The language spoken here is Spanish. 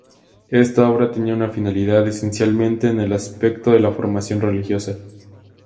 Esta obra tenía una finalidad, esencialmente en el aspecto de la formación religiosa.